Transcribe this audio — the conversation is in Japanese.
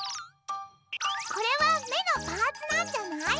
これはめのパーツなんじゃない？